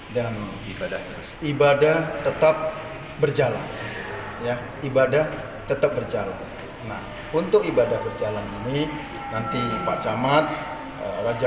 dan ibadah tetap berjalan ibadah tetap berjalan untuk ibadah berjalan ini nanti pak camat raja